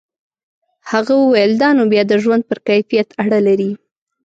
هغه وویل دا نو بیا د ژوند پر کیفیت اړه لري.